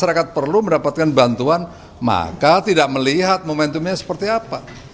masyarakat perlu mendapatkan bantuan maka tidak melihat momentumnya seperti apa